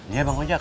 iya bang ojak